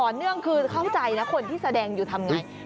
เนื่องคือเข้าใจนะคนที่แสดงอยู่ทำไง